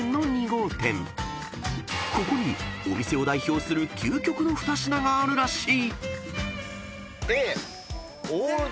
［ここにお店を代表する究極の二品があるらしい］